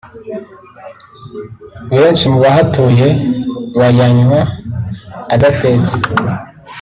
Benshi mu bahatuye bayanywa adatetse